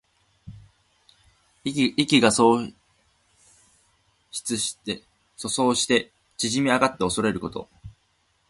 意気が阻喪して縮み上がっておそれること。